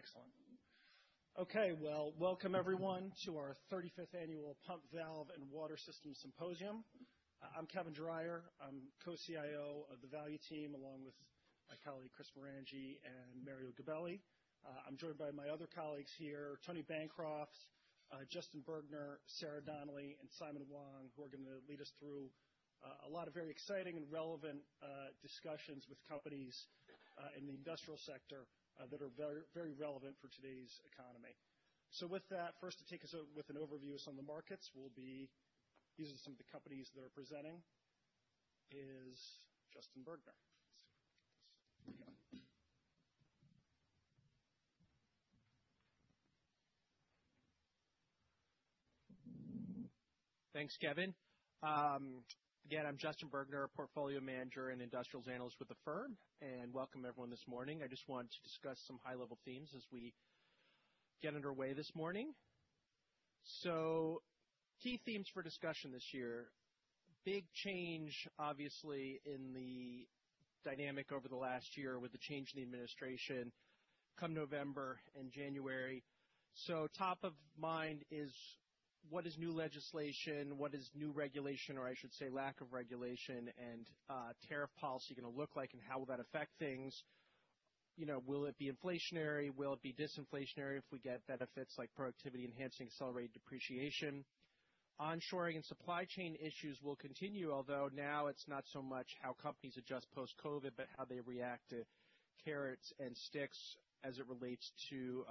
Excellent. Okay, well, welcome everyone to our 35th Annual Pump, Valve & Water Systems Symposium. I'm Kevin Dreyer. I'm co-CIO of the value team, along with my colleague Chris Marangi and Mario Gabelli. I'm joined by my other colleagues here, Tony Bancroft, Justin Bergner, Sarah Donnelly, and Simon Wong, who are going to lead us through a lot of very exciting and relevant discussions with companies in the industrial sector that are very relevant for today's economy. So with that, first to take us out with an overview of some of the markets we'll be using some of the companies that are presenting is Justin Bergner. Thanks, Kevin. Again, I'm Justin Bergner, Portfolio Manager and Industrials Analyst with the firm, and welcome everyone this morning. I just want to discuss some high-level themes as we get underway this morning. So key themes for discussion this year: big change, obviously, in the dynamic over the last year with the change in the administration come November and January. So top of mind is what is new legislation, what is new regulation, or I should say lack of regulation, and tariff policy going to look like, and how will that affect things? Will it be inflationary? Will it be disinflationary if we get benefits like productivity enhancing, accelerated depreciation? Onshoring and supply chain issues will continue, although now it's not so much how companies adjust post-COVID, but how they react to carrots and sticks as it relates to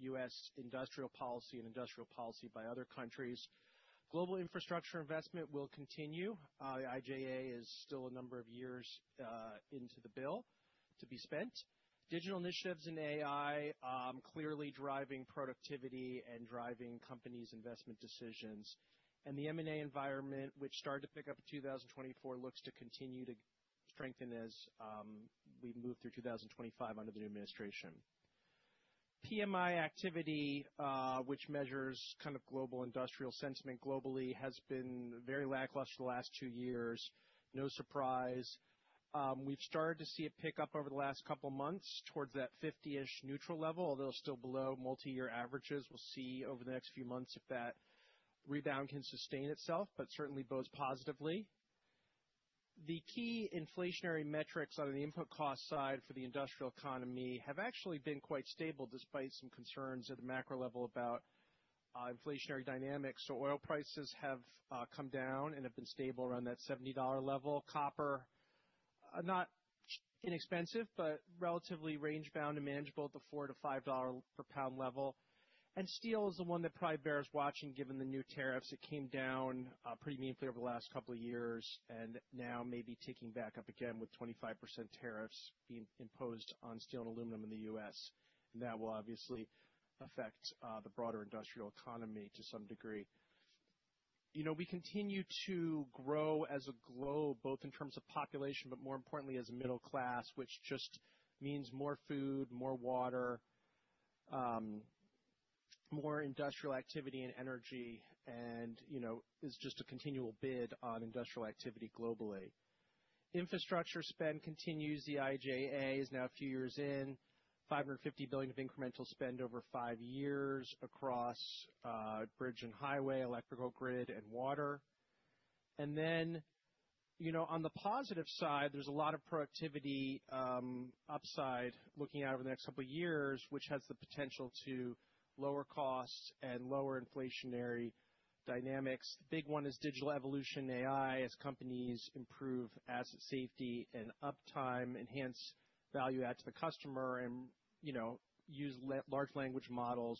U.S. industrial policy and industrial policy by other countries. Global infrastructure investment will continue. The IIJA is still a number of years into the bill to be spent. Digital initiatives and AI clearly driving productivity and driving companies' investment decisions and the M&A environment, which started to pick up in 2024, looks to continue to strengthen as we move through 2025 under the new administration. PMI activity, which measures kind of global industrial sentiment globally, has been very lackluster the last two years. No surprise. We've started to see it pick up over the last couple of months towards that 50-ish neutral level, although still below multi-year averages. We'll see over the next few months if that rebound can sustain itself, but certainly both positively. The key inflationary metrics on the input cost side for the industrial economy have actually been quite stable despite some concerns at the macro level about inflationary dynamics. So oil prices have come down and have been stable around that $70 level. Copper, not inexpensive, but relatively range-bound and manageable at the $4- 5 per pound level. And steel is the one that probably bears watching given the new tariffs. It came down pretty meaningfully over the last couple of years and now may be ticking back up again with 25% tariffs being imposed on steel and aluminum in the U.S. And that will obviously affect the broader industrial economy to some degree. You know, we continue to grow as a globe, both in terms of population, but more importantly as a middle class, which just means more food, more water, more industrial activity and energy, and, you know, is just a continual bid on industrial activity globally. Infrastructure spend continues. The IIJA is now a few years in, $550 billion of incremental spend over five years across bridge and highway, electrical grid, and water. And then, you know, on the positive side, there's a lot of productivity upside looking out over the next couple of years, which has the potential to lower costs and lower inflationary dynamics. The big one is digital evolution, AI, as companies improve asset safety and uptime, enhance value add to the customer, and, you know, use large language models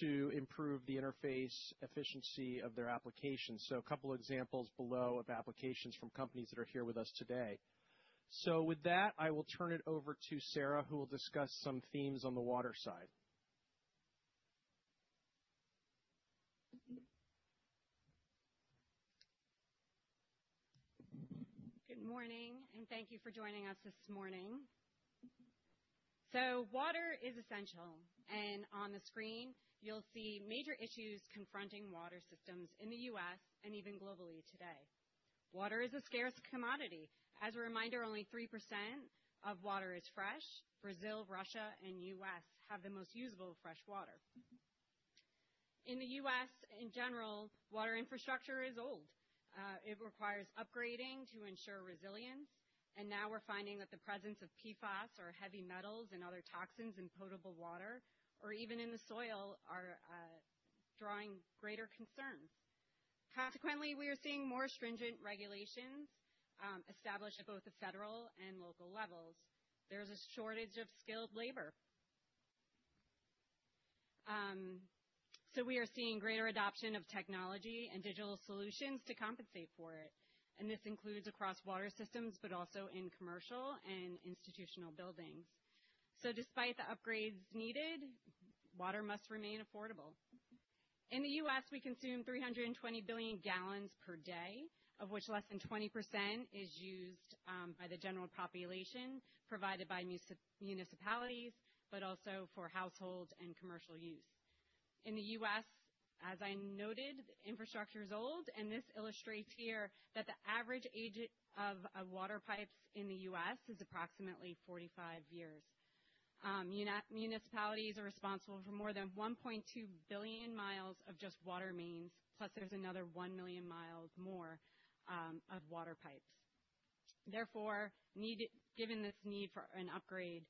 to improve the interface efficiency of their applications. So a couple of examples below of applications from companies that are here with us today. So with that, I will turn it over to Sarah, who will discuss some themes on the water side. Good morning, and thank you for joining us this morning. So water is essential, and on the screen, you'll see major issues confronting water systems in the U.S. and even globally today. Water is a scarce commodity. As a reminder, only 3% of water is fresh. Brazil, Russia, and U.S. have the most usable fresh water. In the U.S., in general, water infrastructure is old. It requires upgrading to ensure resilience. And now we're finding that the presence of PFAS, or heavy metals, and other toxins in potable water, or even in the soil, are drawing greater concerns. Consequently, we are seeing more stringent regulations established at both the federal and local levels. There is a shortage of skilled labor. So we are seeing greater adoption of technology and digital solutions to compensate for it. And this includes across water systems, but also in commercial and institutional buildings. So despite the upgrades needed, water must remain affordable. In the U.S., we consume 320 billion gal per day, of which less than 20% is used by the general population, provided by municipalities, but also for household and commercial use. In the U.S., as I noted, the infrastructure is old, and this illustrates here that the average age of water pipes in the U.S. is approximately 45 years. Municipalities are responsible for more than 1.2 billion mi of just water mains, plus there's another 1 million mi more of water pipes. Therefore, given this need for an upgrade,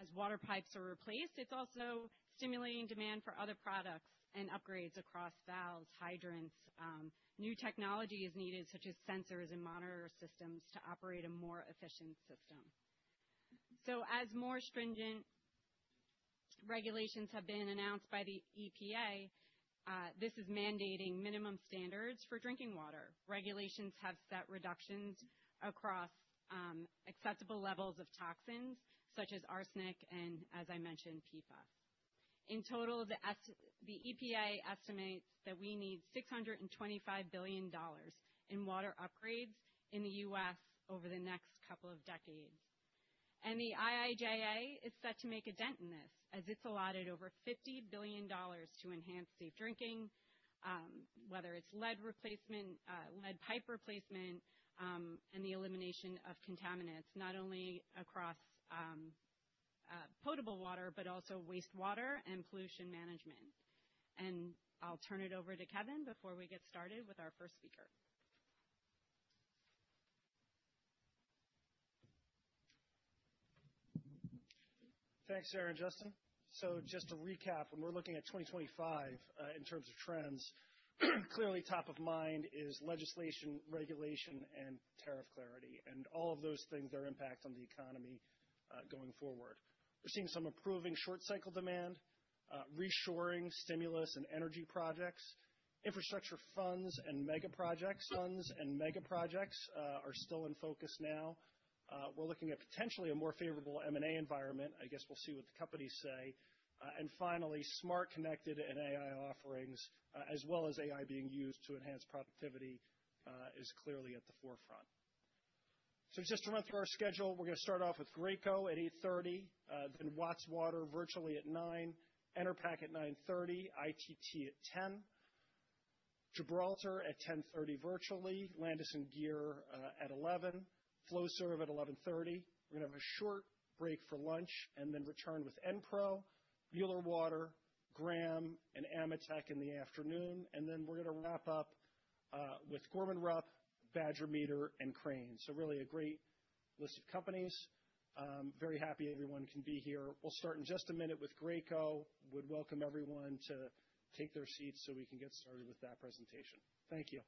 as water pipes are replaced, it's also stimulating demand for other products and upgrades across valves, hydrants. New technology is needed, such as sensors and monitor systems, to operate a more efficient system. So as more stringent regulations have been announced by the EPA, this is mandating minimum standards for drinking water. Regulations have set reductions across acceptable levels of toxins, such as arsenic and, as I mentioned, PFAS. In total, the EPA estimates that we need $625 billion in water upgrades in the U.S. over the next couple of decades, and the IIJA is set to make a dent in this, as it's allotted over $50 billion to enhance safe drinking, whether it's lead pipe replacement and the elimination of contaminants, not only across potable water, but also wastewater and pollution management, and I'll turn it over to Kevin before we get started with our first speaker. Thanks, Sarah and Justin. So just to recap, when we're looking at 2025 in terms of trends, clearly top of mind is legislation, regulation, and tariff clarity, and all of those things, their impact on the economy going forward. We're seeing some improving short-cycle demand, reshoring stimulus and energy projects, infrastructure funds and mega projects. Funds and mega projects are still in focus now. We're looking at potentially a more favorable M&A environment. I guess we'll see what the companies say. And finally, smart connected and AI offerings, as well as AI being used to enhance productivity, is clearly at the forefront. So just to run through our schedule, we're going to start off with Graco at 8:30 A.M., then Watts Water virtually at 9:00 A.M., Enerpac at 9:30 A.M., ITT at 10:00 A.M., Gibraltar at 10:30 A.M. virtually, Landis+Gyr at 11:00 A.M., Flowserve at 11:30 A.M. We're going to have a short break for lunch and then return with Enpro, Mueller Water, Graham, and AMETEK in the afternoon, and then we're going to wrap up with Gorman-Rupp, Badger Meter, and Crane, so really a great list of companies. Very happy everyone can be here. We'll start in just a minute with Graco. Would welcome everyone to take their seats so we can get started with that presentation. Thank you.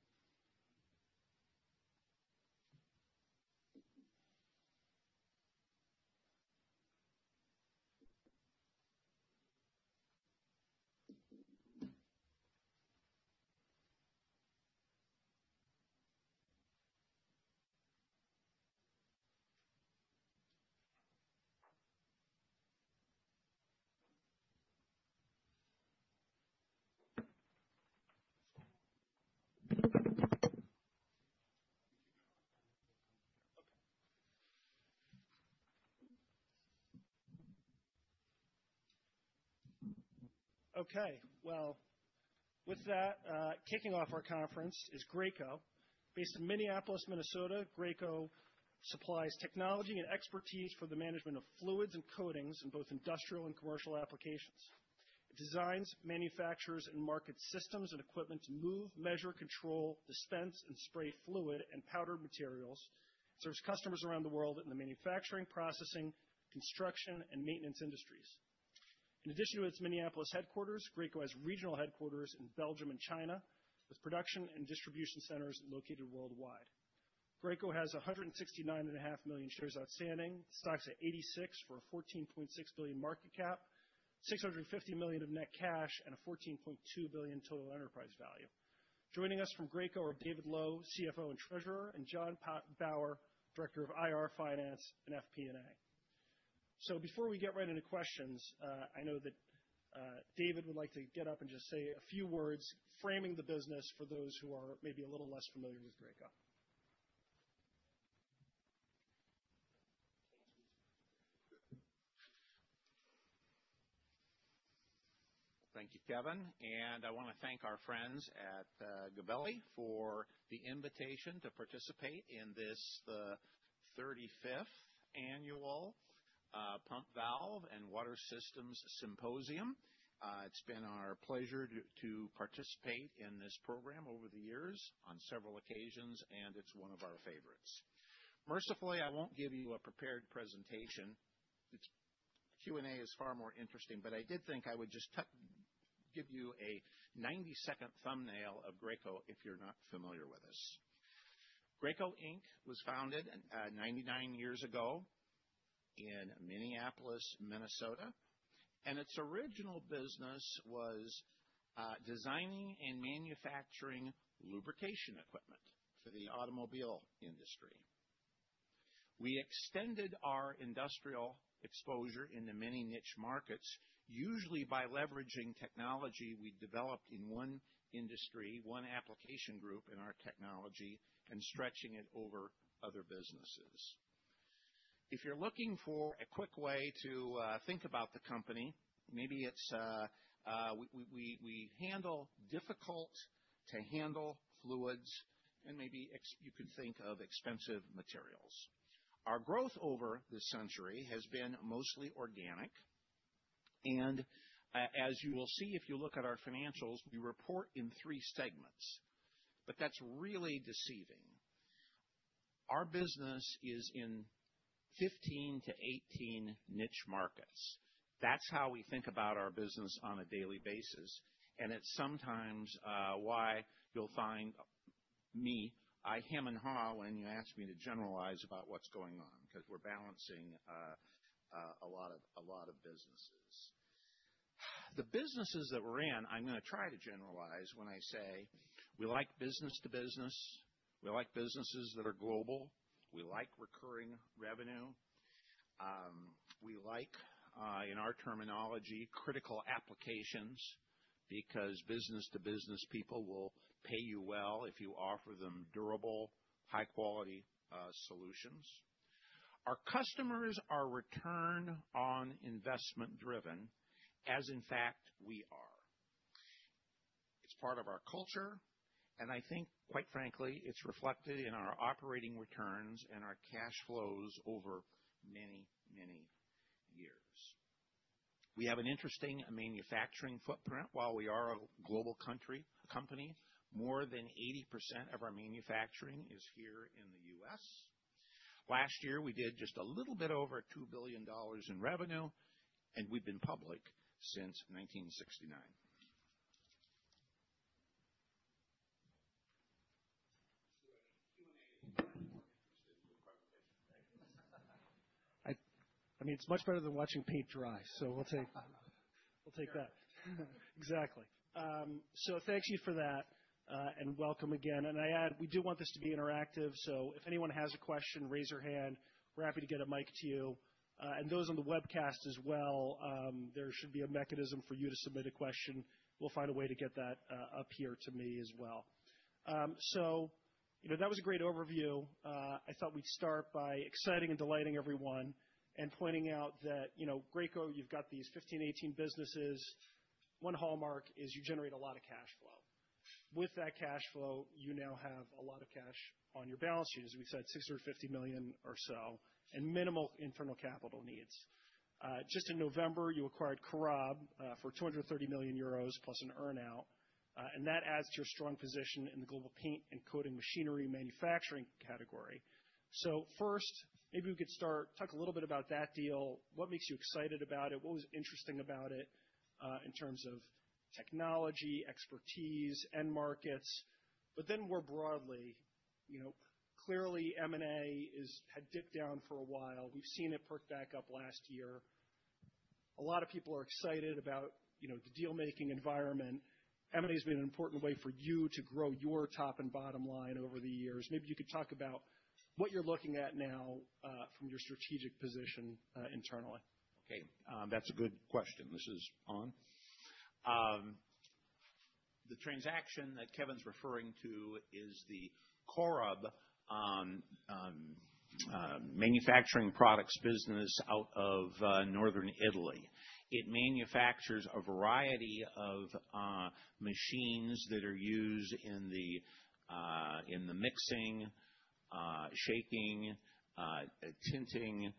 Okay, well, with that, kicking off our conference is Graco. Based in Minneapolis, Minnesota, Graco supplies technology and expertise for the management of fluids and coatings in both industrial and commercial applications. It designs, manufactures, and markets systems and equipment to move, measure, control, dispense, and spray fluid and powdered materials, and serves customers around the world in the manufacturing, processing, construction, and maintenance industries. In addition to its Minneapolis headquarters, Graco has regional headquarters in Belgium and China, with production and distribution centers located worldwide. Graco has 169.5 million shares outstanding, stocks at $86 for a $14.6 billion market cap, $650 million of net cash, and a $14.2 billion total enterprise value. Joining us from Graco are David Lowe, CFO and Treasurer, and John Bauer, Director of IR Finance and FP&A. So before we get right into questions, I know that David would like to get up and just say a few words framing the business for those who are maybe a little less familiar with Graco. Thank you, Kevin. And I want to thank our friends at Gabelli for the invitation to participate in this 35th annual Pump Valve & Water Systems Symposium. It's been our pleasure to participate in this program over the years on several occasions, and it's one of our favorites. Mercifully, I won't give you a prepared presentation. The Q&A is far more interesting, but I did think I would just give you a 90-second thumbnail of Graco if you're not familiar with us. Graco Inc. was founded 99 years ago in Minneapolis, Minnesota, and its original business was designing and manufacturing lubrication equipment for the automobile industry. We extended our industrial exposure into many niche markets, usually by leveraging technology we developed in one industry, one application group in our technology, and stretching it over other businesses. If you're looking for a quick way to think about the company, maybe it's we handle difficult-to-handle fluids, and maybe you could think of expensive materials. Our growth over this century has been mostly organic. As you will see, if you look at our financials, we report in three segments, but that's really deceiving. Our business is in 15-18 niche markets. That's how we think about our business on a daily basis. It's sometimes why you'll find me, I hem and haw when you ask me to generalize about what's going on, because we're balancing a lot of businesses. The businesses that we're in. I'm going to try to generalize when I say we like business-to-business. We like businesses that are global. We like recurring revenue. We like, in our terminology, critical applications, because business-to-business people will pay you well if you offer them durable, high-quality solutions. Our customers are return-on-investment driven, as in fact we are. It's part of our culture, and I think, quite frankly, it's reflected in our operating returns and our cash flows over many, many years. We have an interesting manufacturing footprint. While we are a global company, more than 80% of our manufacturing is here in the U.S. Last year, we did just a little bit over $2 billion in revenue, and we've been public since 1969. I mean, it's much better than watching paint dry, so we'll take that. Exactly. So thank you for that, and welcome again. And I add, we do want this to be interactive, so if anyone has a question, raise your hand. We're happy to get a mic to you. And those on the webcast as well, there should be a mechanism for you to submit a question. We'll find a way to get that up here to me as well. So, you know, that was a great overview. I thought we'd start by exciting and delighting everyone and pointing out that, you know, Graco, you've got these 15, 18 businesses. One hallmark is you generate a lot of cash flow. With that cash flow, you now have a lot of cash on your balance sheet, as we said, $650 million or so, and minimal internal capital needs. Just in November, you acquired COROB for 230 million euros plus an earnout, and that adds to your strong position in the global paint and coating machinery manufacturing category. So first, maybe we could start, talk a little bit about that deal. What makes you excited about it? What was interesting about it in terms of technology, expertise, end markets? But then more broadly, you know, clearly M&A had dipped down for a while. We've seen it perk back up last year. A lot of people are excited about, you know, the deal-making environment. M&A has been an important way for you to grow your top and bottom line over the years. Maybe you could talk about what you're looking at now from your strategic position internally. Okay, that's a good question. This is on. The transaction that Kevin's referring to is the COROB manufacturing products business out of Northern Italy. It manufactures a variety of machines that are used in the mixing, shaking, tinting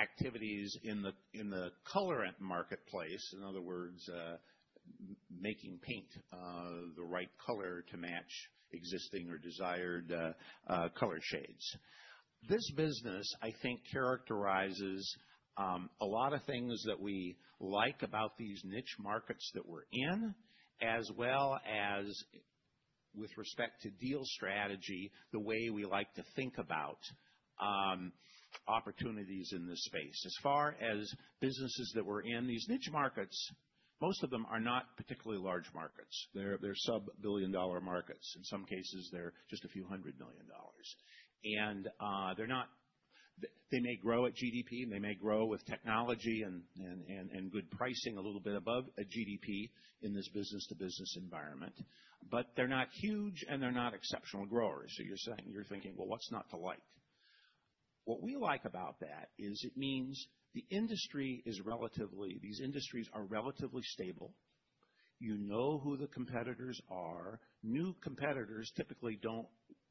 activities in the colorant marketplace. In other words, making paint the right color to match existing or desired color shades. This business, I think, characterizes a lot of things that we like about these niche markets that we're in, as well as with respect to deal strategy, the way we like to think about opportunities in this space. As far as businesses that we're in, these niche markets, most of them are not particularly large markets. They're sub-billion-dollar markets. In some cases, they're just a few hundred million dollars. And they may grow at GDP, and they may grow with technology and good pricing a little bit above GDP in this business-to-business environment, but they're not huge, and they're not exceptional growers. So you're thinking, well, what's not to like? What we like about that is it means the industry is relatively, these industries are relatively stable. You know who the competitors are. New competitors typically don't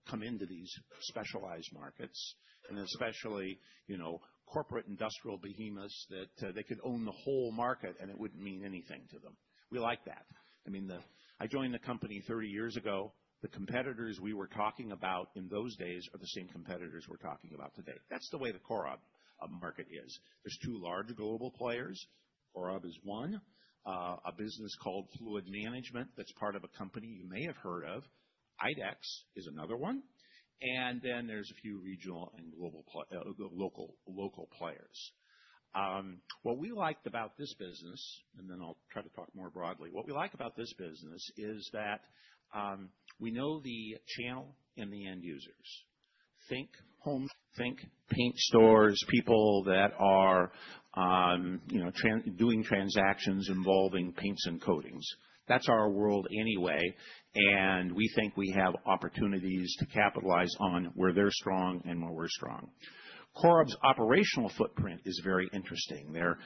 come into these specialized markets, and especially, you know, corporate industrial behemoths that they could own the whole market, and it wouldn't mean anything to them. We like that. I mean, I joined the company 30 years ago. The competitors we were talking about in those days are the same competitors we're talking about today. That's the way the Graco market is. There's two large global players. COROB is one, a business called Fluid Management that's part of a company you may have heard of. IDEX is another one. And then there's a few regional and local players. What we liked about this business, and then I'll try to talk more broadly, what we like about this business is that we know the channel and the end users. Think home. Think paint stores, people that are doing transactions involving paints and coatings. That's our world anyway, and we think we have opportunities to capitalize on where they're strong and where we're strong. COROB's operational footprint is very interesting. They're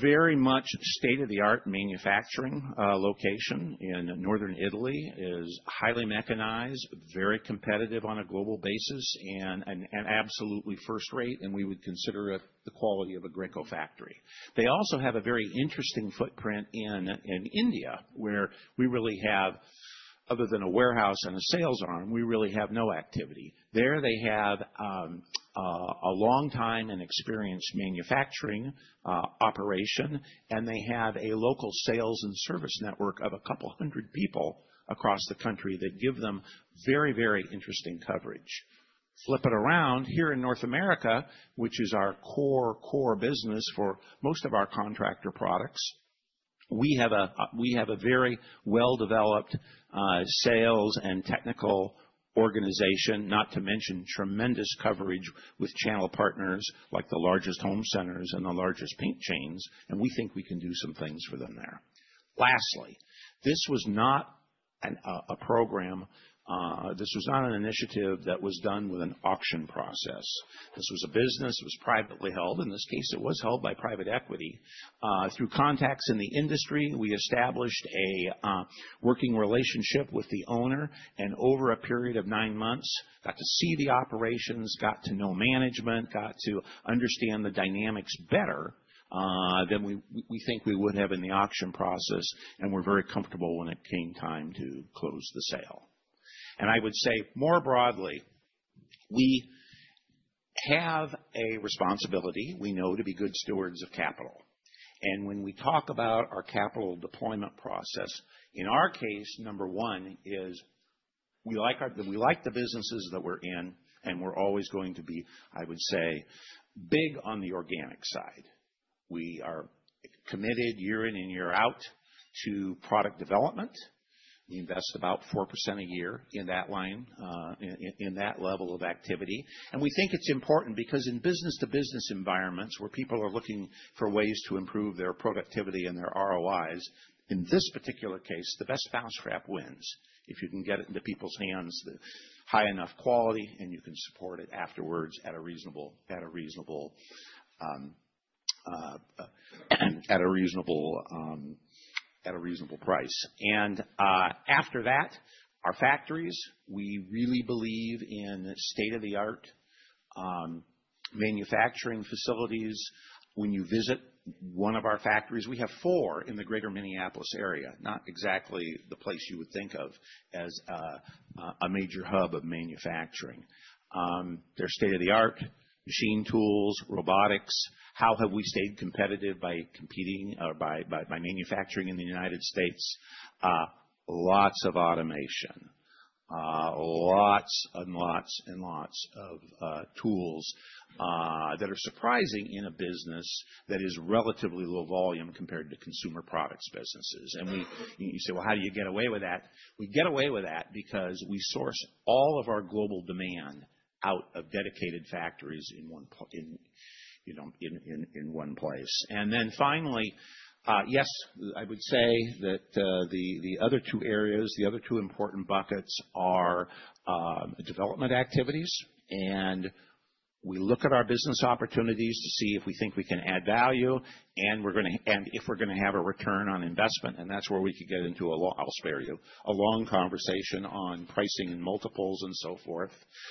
very much state-of-the-art manufacturing location in northern Italy, is highly mechanized, very competitive on a global basis, and absolutely first rate, and we would consider it the quality of a Graco factory. They also have a very interesting footprint in India, where we really have, other than a warehouse and a sales arm, we really have no activity. There, they have a long-time and experienced manufacturing operation, and they have a local sales and service network of a couple hundred people across the country that give them very, very interesting coverage. Flip it around, here in North America, which is our core business for most of our contractor products, we have a very well-developed sales and technical organization, not to mention tremendous coverage with channel partners like the largest home centers and the largest paint chains, and we think we can do some things for them there. Lastly, this was not a program. This was not an initiative that was done with an auction process. This was a business. It was privately held. In this case, it was held by private equity. Through contacts in the industry, we established a working relationship with the owner, and over a period of nine months, got to see the operations, got to know management, got to understand the dynamics better than we think we would have in the auction process, and we're very comfortable when it came time to close the sale, and I would say more broadly, we have a responsibility we know to be good stewards of capital, and when we talk about our capital deployment process, in our case, number one is we like the businesses that we're in, and we're always going to be, I would say, big on the organic side. We are committed year in and year out to product development. We invest about 4% a year in that line, in that level of activity. And we think it's important because in business-to-business environments where people are looking for ways to improve their productivity and their ROIs, in this particular case, the best mousetrap wins. If you can get it into people's hands with high enough quality, and you can support it afterwards at a reasonable price. And after that, our factories, we really believe in state-of-the-art manufacturing facilities. When you visit one of our factories, we have four in the greater Minneapolis area, not exactly the place you would think of as a major hub of manufacturing. They're state-of-the-art machine tools, robotics. How have we stayed competitive by competing or by manufacturing in the United States? Lots of automation, lots and lots and lots of tools that are surprising in a business that is relatively low volume compared to consumer products businesses. And you say, well, how do you get away with that? We get away with that because we source all of our global demand out of dedicated factories in one place. And then finally, yes, I would say that the other two areas, the other two important buckets are development activities, and we look at our business opportunities to see if we think we can add value and if we're going to have a return on investment. And that's where we could get into a, I'll spare you, a long conversation on pricing and multiples and so forth.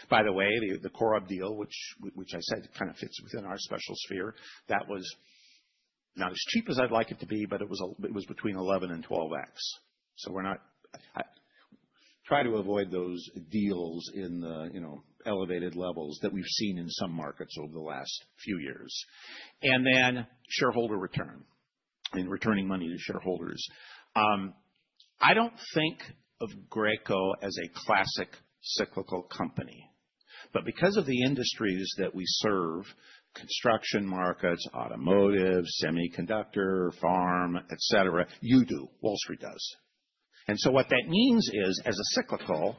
By the way, the COROB deal, which I said kind of fits within our special sphere, that was not as cheap as I'd like it to be, but it was between 11 and 12x. So we're not trying to avoid those deals in the, you know, elevated levels that we've seen in some markets over the last few years. And then shareholder return and returning money to shareholders. I don't think of Graco as a classic cyclical company, but because of the industries that we serve, construction markets, automotive, semiconductor, farm, etc., you do, Wall Street does. And so what that means is, as a cyclical,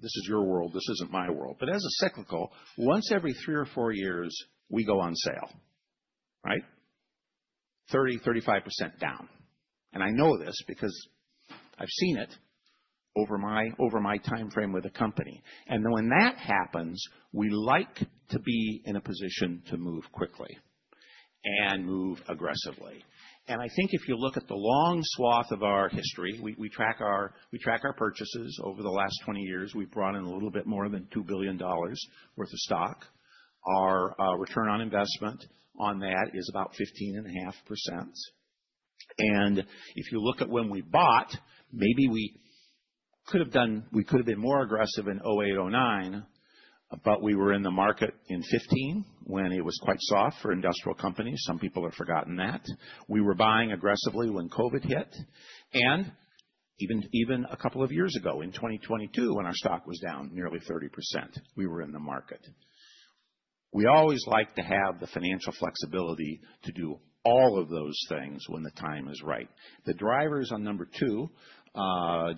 this is your world, this isn't my world, but as a cyclical, once every three or four years, we go on sale, right? 30%-35% down. And I know this because I've seen it over my time frame with a company. And when that happens, we like to be in a position to move quickly and move aggressively. And I think if you look at the long swath of our history, we track our purchases over the last 20 years. We've brought in a little bit more than $2 billion worth of stock. Our return on investment on that is about 15.5%. If you look at when we bought, maybe we could have done, we could have been more aggressive in 2008, 2009, but we were in the market in 2015 when it was quite soft for industrial companies. Some people have forgotten that. We were buying aggressively when COVID hit. Even a couple of years ago in 2022, when our stock was down nearly 30%, we were in the market. We always like to have the financial flexibility to do all of those things when the time is right. The drivers on number two,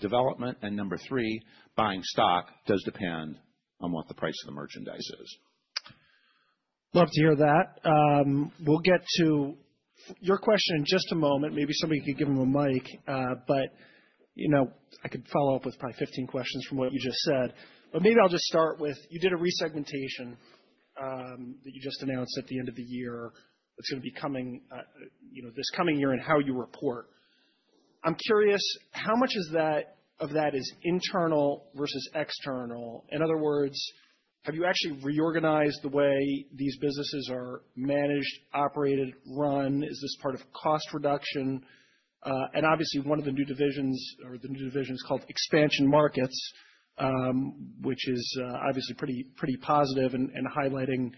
development, and number three, buying stock does depend on what the price of the merchandise is. Love to hear that. We'll get to your question in just a moment. Maybe somebody could give them a mic. But, you know, I could follow up with probably 15 questions from what you just said. But maybe I'll just start with, you did a resegmentation that you just announced at the end of the year that's going to be coming, you know, this coming year and how you report. I'm curious, how much of that is internal versus external? In other words, have you actually reorganized the way these businesses are managed, operated, run? Is this part of cost reduction? And obviously, one of the new divisions or the new division is called expansion markets, which is obviously pretty positive and highlighting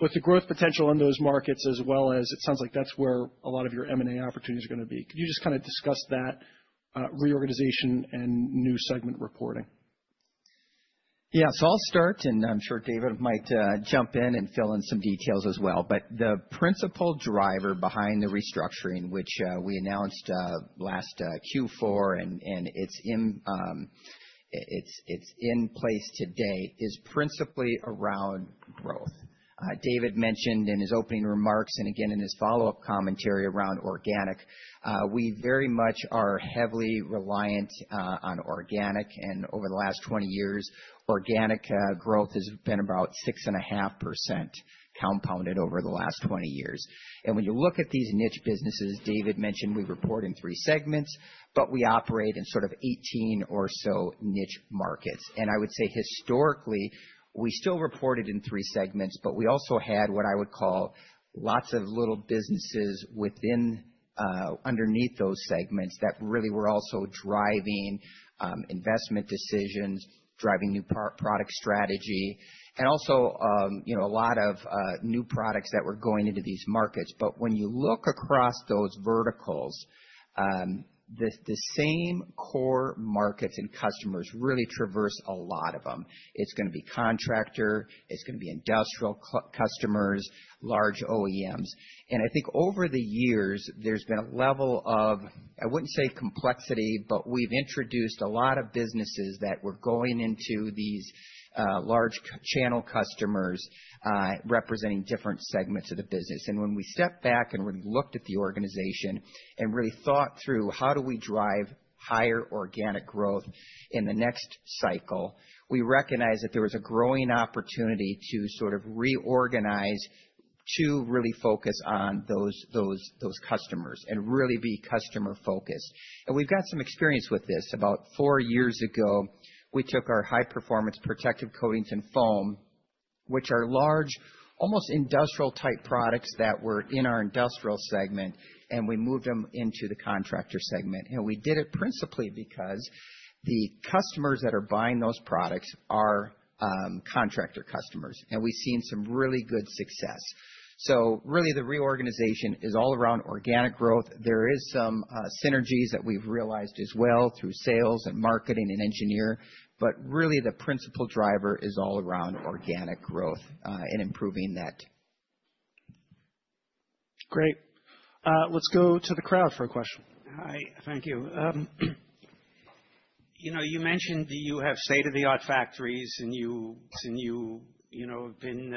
both the growth potential in those markets as well as it sounds like that's where a lot of your M&A opportunities are going to be. Could you just kind of discuss that reorganization and new segment reporting? Yeah, so I'll start, and I'm sure David might jump in and fill in some details as well. But the principal driver behind the restructuring, which we announced last Q4 and it's in place today, is principally around growth. David mentioned in his opening remarks and again in his follow-up commentary around organic, we very much are heavily reliant on organic. And over the last 20 years, organic growth has been about 6.5% compounded over the last 20 years. And when you look at these niche businesses, David mentioned we report in three segments, but we operate in sort of 18 or so niche markets. I would say historically, we still reported in three segments, but we also had what I would call lots of little businesses underneath those segments that really were also driving investment decisions, driving new product strategy, and also, you know, a lot of new products that were going into these markets. When you look across those verticals, the same core markets and customers really traverse a lot of them. It's going to be contractor, it's going to be industrial customers, large OEMs. I think over the years, there's been a level of, I wouldn't say complexity, but we've introduced a lot of businesses that were going into these large channel customers representing different segments of the business. When we stepped back and really looked at the organization and really thought through how do we drive higher organic growth in the next cycle, we recognize that there was a growing opportunity to sort of reorganize to really focus on those customers and really be customer-focused. We've got some experience with this. About four years ago, we took our high-performance protective coatings and foam, which are large, almost industrial-type products that were in our industrial segment, and we moved them into the contractor segment. We did it principally because the customers that are buying those products are contractor customers, and we've seen some really good success. Really, the reorganization is all around organic growth. There are some synergies that we've realized as well through sales and marketing and engineering, but really the principal driver is all around organic growth and improving that. Great. Let's go to the crowd for a question. Hi, thank you. You know, you mentioned that you have state-of-the-art factories and you, you know, have been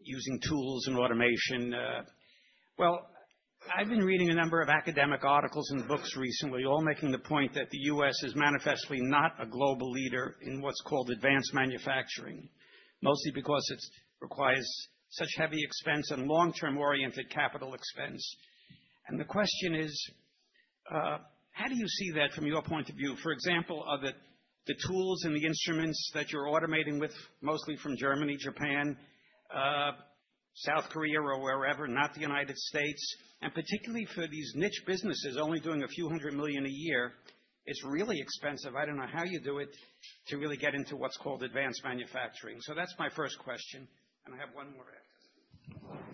using tools and automation. Well, I've been reading a number of academic articles and books recently, all making the point that the U.S. is manifestly not a global leader in what's called advanced manufacturing, mostly because it requires such heavy expense and long-term oriented capital expense, and the question is, how do you see that from your point of view? For example, are the tools and the instruments that you're automating with mostly from Germany, Japan, South Korea, or wherever, not the United States? And particularly for these niche businesses only doing a few hundred million a year, it's really expensive. I don't know how you do it to really get into what's called advanced manufacturing, so that's my first question, and I have one more after.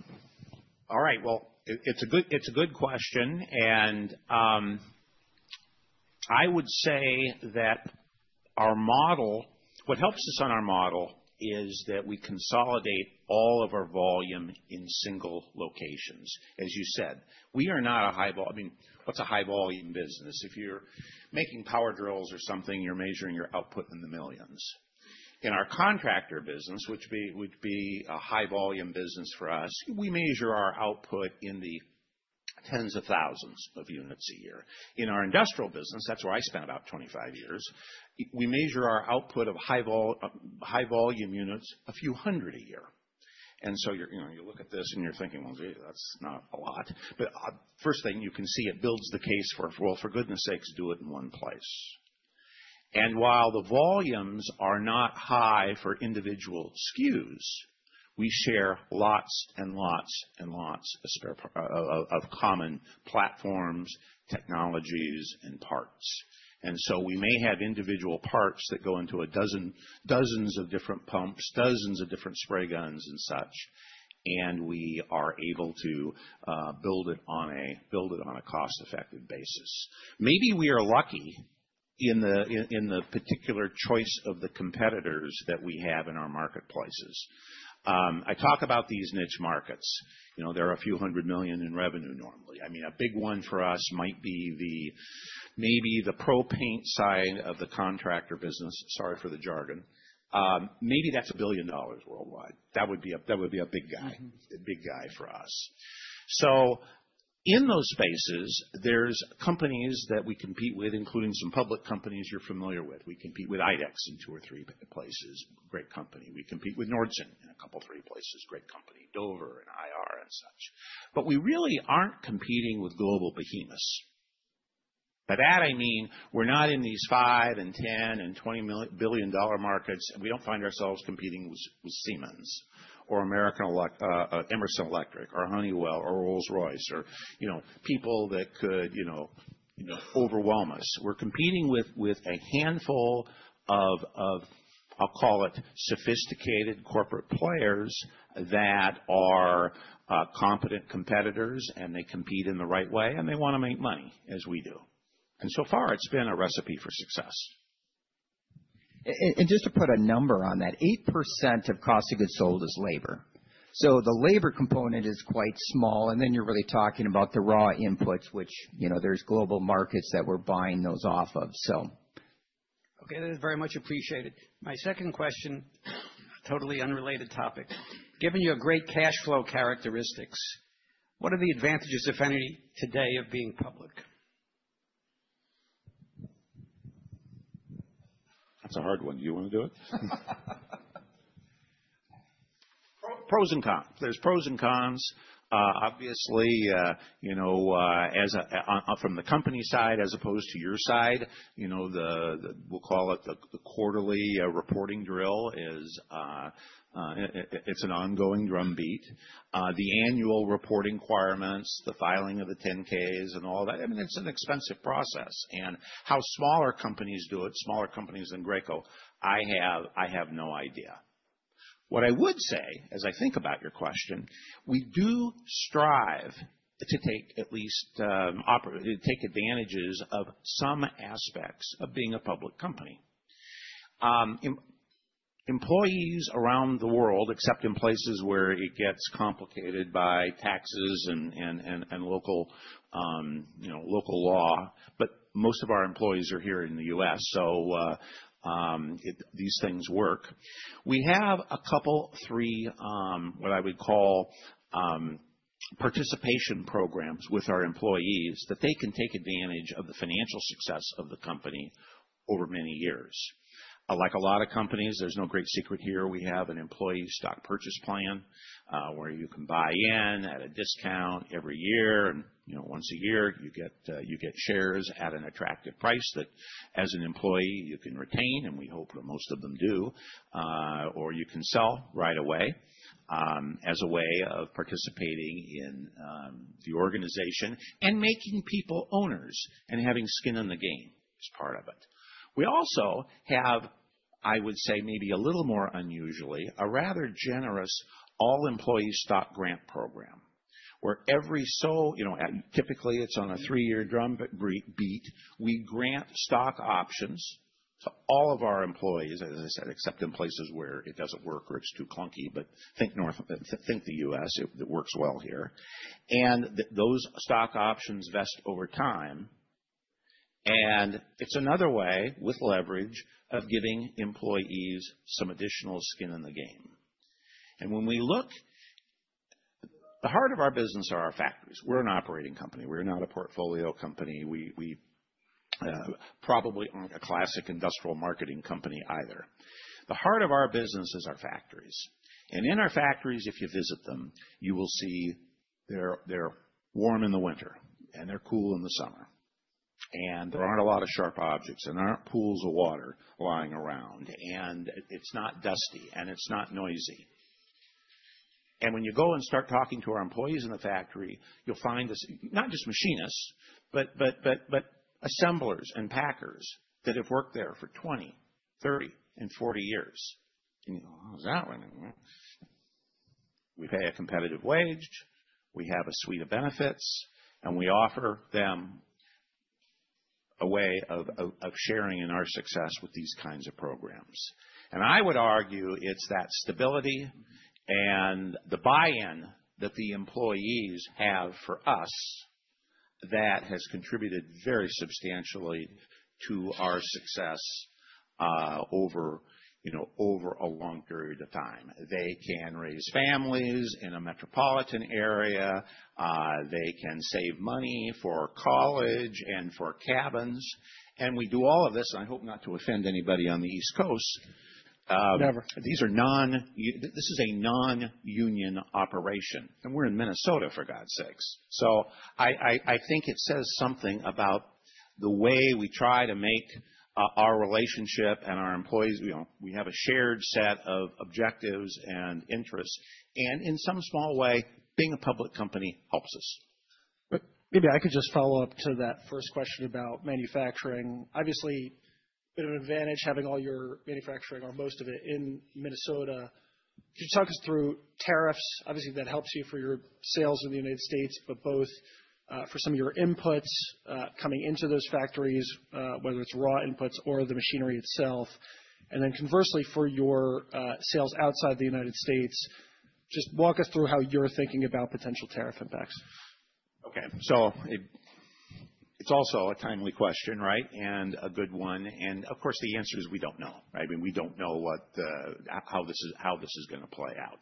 All right, well, it's a good question. And I would say that our model, what helps us on our model is that we consolidate all of our volume in single locations, as you said. We are not a high volume, I mean, what's a high volume business? If you're making power drills or something, you're measuring your output in the millions. In our contractor business, which would be a high volume business for us, we measure our output in the tens of thousands of units a year. In our industrial business, that's where I spent about 25 years, we measure our output of high volume units a few hundred a year. And so you look at this and you're thinking, well, gee, that's not a lot. But first thing, you can see it builds the case for, well, for goodness sakes, do it in one place. While the volumes are not high for individual SKUs, we share lots and lots and lots of common platforms, technologies, and parts. So we may have individual parts that go into dozens of different pumps, dozens of different spray guns and such, and we are able to build it on a cost-effective basis. Maybe we are lucky in the particular choice of the competitors that we have in our marketplaces. I talk about these niche markets. You know, there are a few hundred million in revenue normally. I mean, a big one for us might be maybe the pro-paint side of the contractor business, sorry for the jargon. Maybe that's $1 billion worldwide. That would be a big guy, a big guy for us. In those spaces, there's companies that we compete with, including some public companies you're familiar with. We compete with IDEX in two or three places, great company. We compete with Nordson in a couple of three places, great company, Dover and IR and such. But we really aren't competing with global behemoths. By that, I mean, we're not in these five and 10 and 20 billion dollar markets, and we don't find ourselves competing with Siemens or American Emerson Electric or Honeywell or Rolls-Royce or, you know, people that could, you know, overwhelm us. We're competing with a handful of, I'll call it sophisticated corporate players that are competent competitors, and they compete in the right way, and they want to make money as we do. And so far, it's been a recipe for success. And just to put a number on that, 8% of cost of goods sold is labor. So the labor component is quite small, and then you're really talking about the raw inputs, which, you know, there's global markets that we're buying those off of, so. Okay, that is very much appreciated. My second question, totally unrelated topic. Given you have great cash flow characteristics, what are the advantages, if any, today of being public? That's a hard one. You want to do it? Pros and cons. There's pros and cons. Obviously, you know, from the company side as opposed to your side, you know, we'll call it the quarterly reporting drill, it's an ongoing drumbeat. The annual reporting requirements, the filing of the 10-Ks and all that, I mean, it's an expensive process, and how smaller companies do it, smaller companies than Graco, I have no idea. What I would say, as I think about your question, we do strive to take at least advantages of some aspects of being a public company. Employees around the world, except in places where it gets complicated by taxes and local, you know, local law, but most of our employees are here in the U.S., so these things work. We have a couple, three, what I would call participation programs with our employees that they can take advantage of the financial success of the company over many years. Like a lot of companies, there's no great secret here. We have an employee stock purchase plan where you can buy in at a discount every year, and you know, once a year, you get shares at an attractive price that, as an employee, you can retain, and we hope most of them do, or you can sell right away as a way of participating in the organization and making people owners and having skin in the game as part of it. We also have, I would say maybe a little more unusually, a rather generous all-employee stock grant program where every so, you know, typically it's on a three-year drumbeat. We grant stock options to all of our employees, as I said, except in places where it doesn't work or it's too clunky, but think the U.S., it works well here, and those stock options vest over time, and it's another way, with leverage, of giving employees some additional skin in the game, and when we look, the heart of our business are our factories. We're an operating company. We're not a portfolio company. We probably aren't a classic industrial marketing company either. The heart of our business is our factories, and in our factories, if you visit them, you will see they're warm in the winter and they're cool in the summer. And there aren't a lot of sharp objects and there aren't pools of water lying around, and it's not dusty and it's not noisy. And when you go and start talking to our employees in the factory, you'll find not just machinists, but assemblers and packers that have worked there for 20, 30, and 40 years. And you go, how's that running? We pay a competitive wage. We have a suite of benefits, and we offer them a way of sharing in our success with these kinds of programs. And I would argue it's that stability and the buy-in that the employees have for us that has contributed very substantially to our success over, you know, over a long period of time. They can raise families in a metropolitan area. They can save money for college and for cabins. We do all of this, and I hope not to offend anybody on the East Coast. Never. This is a non-union operation, and we're in Minnesota, for God's sakes, so I think it says something about the way we try to make our relationship and our employees, you know, we have a shared set of objectives and interests, and in some small way, being a public company helps us. Maybe I could just follow up to that first question about manufacturing. Obviously, an advantage having all your manufacturing or most of it in Minnesota. Could you talk us through tariffs? Obviously, that helps you for your sales in the United States, but both for some of your inputs coming into those factories, whether it's raw inputs or the machinery itself, and then conversely, for your sales outside the United States, just walk us through how you're thinking about potential tariff impacts. Okay. So it's also a timely question, right? And a good one. And of course, the answer is we don't know, right? I mean, we don't know how this is going to play out.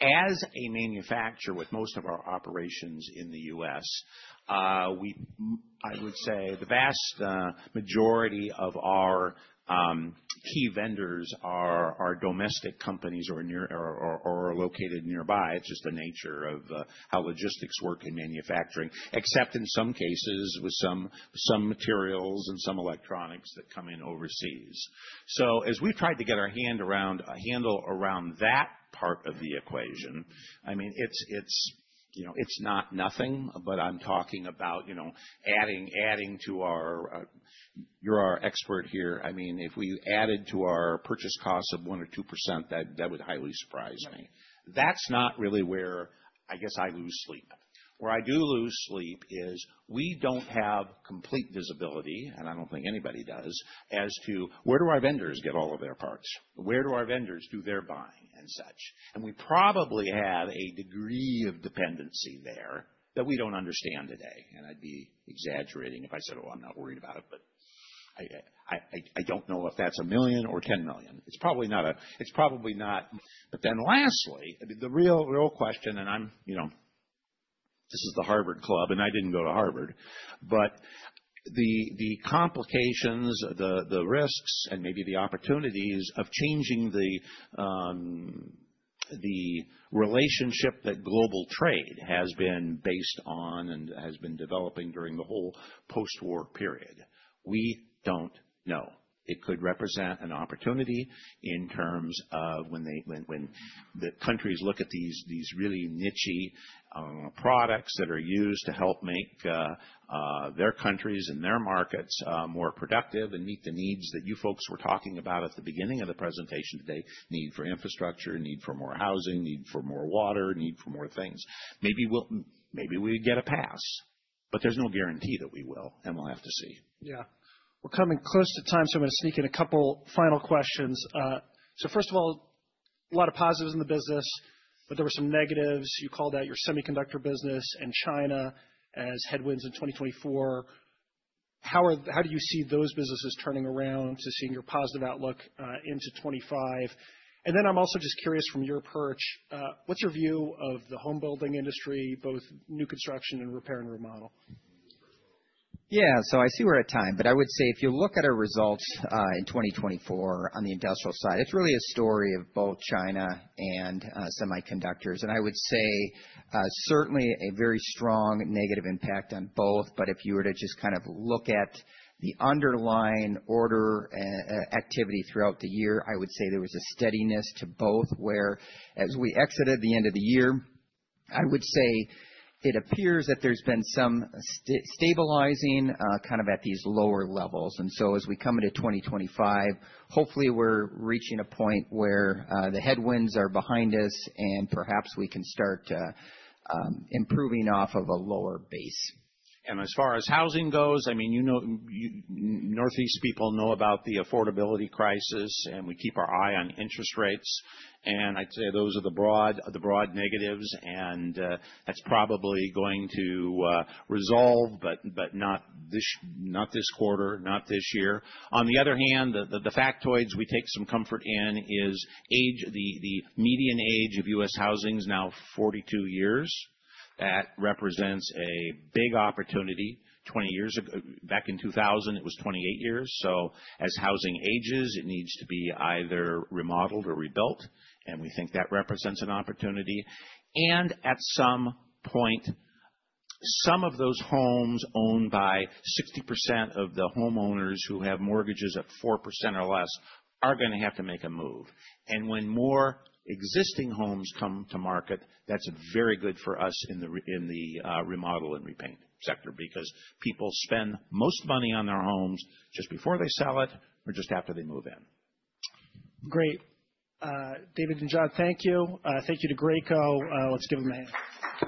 As a manufacturer with most of our operations in the U.S., I would say the vast majority of our key vendors are domestic companies or are located nearby. It's just the nature of how logistics work in manufacturing, except in some cases with some materials and some electronics that come in overseas. So as we've tried to get our hand around, handle around that part of the equation, I mean, it's, you know, it's not nothing, but I'm talking about, you know, adding to our, you're our expert here. I mean, if we added to our purchase costs of 1% or 2%, that would highly surprise me. That's not really where I guess I lose sleep. Where I do lose sleep is we don't have complete visibility, and I don't think anybody does, as to where do our vendors get all of their parts? Where do our vendors do their buying and such? And we probably have a degree of dependency there that we don't understand today. And I'd be exaggerating if I said, oh, I'm not worried about it, but I don't know if that's a million or 10 million. It's probably not a, it's probably not. But then lastly, the real question, and I'm, you know, this is the Harvard Club, and I didn't go to Harvard, but the complications, the risks, and maybe the opportunities of changing the relationship that global trade has been based on and has been developing during the whole post-war period, we don't know. It could represent an opportunity in terms of when the countries look at these really niche products that are used to help make their countries and their markets more productive and meet the needs that you folks were talking about at the beginning of the presentation today, need for infrastructure, need for more housing, need for more water, need for more things. Maybe we get a pass, but there's no guarantee that we will, and we'll have to see. Yeah. We're coming close to time, so I'm going to sneak in a couple final questions. So first of all, a lot of positives in the business, but there were some negatives. You called out your semiconductor business and China as headwinds in 2024. How do you see those businesses turning around to seeing your positive outlook into 2025? And then I'm also just curious from your perch, what's your view of the home building industry, both new construction and repair and remodel? Yeah. So I see we're at time, but I would say if you look at our results in 2024 on the industrial side, it's really a story of both China and semiconductors. And I would say certainly a very strong negative impact on both. But if you were to just kind of look at the underlying order activity throughout the year, I would say there was a steadiness to both whereas we exited the end of the year, I would say it appears that there's been some stabilizing kind of at these lower levels. And so as we come into 2025, hopefully we're reaching a point where the headwinds are behind us and perhaps we can start improving off of a lower base. As far as housing goes, I mean, you know, Northeast people know about the affordability crisis, and we keep our eye on interest rates. I'd say those are the broad negatives, and that's probably going to resolve, but not this quarter, not this year. On the other hand, the factoids we take some comfort in is age, the median age of U.S. housing is now 42 years. That represents a big opportunity. 20 years ago, back in 2000, it was 28 years. So as housing ages, it needs to be either remodeled or rebuilt. We think that represents an opportunity. At some point, some of those homes owned by 60% of the homeowners who have mortgages at 4% or less are going to have to make a move. When more existing homes come to market, that's very good for us in the remodel and repaint sector because people spend most money on their homes just before they sell it or just after they move in. Great. David and John, thank you. Thank you to Graco. Let's give them a hand.